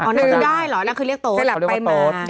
อ๋อนั่นก็ได้เหรอได้หรอนั่นคือเรียกโต๊ดไปมาคือเขาเรียกว่าโต๊ด